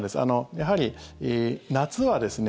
やはり夏はですね